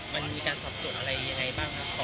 มันมีความสบสนอะไรอย่างไรบ้างคะ